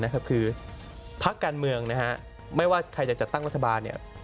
พลักษณ์การเมืองไม่ว่าใครจะจะจัดตั้งรัฐบาล